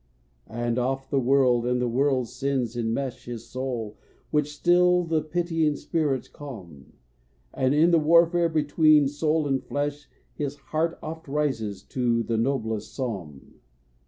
And oft the world and the world's sins immesh His soul, which still the pitying spirits calm; And in the warfare between soul and flesh His heart oft rises to the noblest psalm.